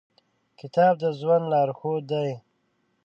کتاب د ژوند لارښود دی.